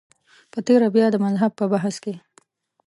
په تېره بیا د مذهب په بحث کې.